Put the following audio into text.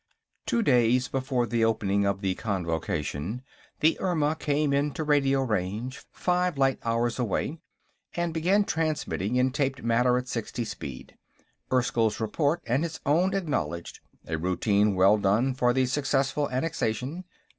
Two days before the opening of the Convocation, the Irma came into radio range, five light hours away, and began transmitting in taped matter at sixty speed. Erskyll's report and his own acknowledged; a routine "well done" for the successful annexation.